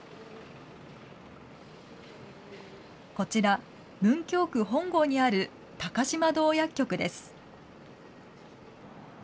こちら、文京区本郷にある高島堂薬局です。